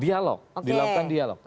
dialog dilakukan dialog